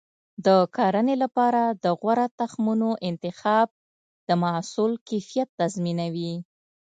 د کرنې لپاره د غوره تخمونو انتخاب د محصول کیفیت تضمینوي.